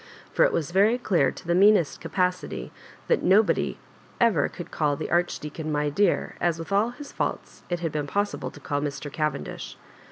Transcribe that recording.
For it was very dear to the meanest capacity that nobody could ever call the Archdeacon " my dear," as, with all his faults, it had been possible to call Mr. Cavendish.